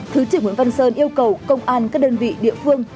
thứ trưởng nguyễn văn sơn yêu cầu công an các đơn vị địa phương